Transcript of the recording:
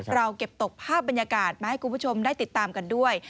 เราเก็บตกภาพบรรยากาศมาให้คุณผู้ชมได้ติดตามกันด้วย